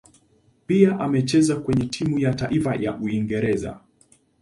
Pia amecheza kwenye timu ya taifa ya Uingereza.